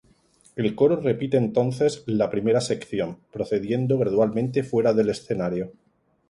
El coro repite entonces la primera sección, procediendo gradualmente fuera del escenario.